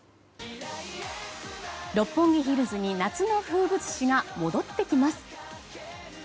六本木ヒルズに夏の風物詩が戻ってきます。